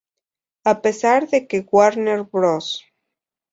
A pesar de que Warner Bros.